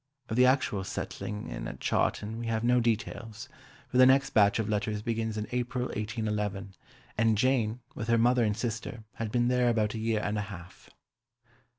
Of the actual settling in at Chawton we have no details, for the next batch of letters begins in April 1811, and Jane, with her mother and sister, had been there about a year and a half.